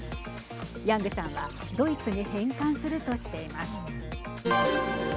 ヤングさんはドイツに返還するとしています。